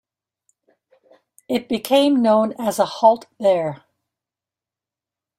It became known as a halt there.